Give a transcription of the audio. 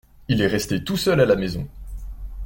Il est resté tout seul à la maison.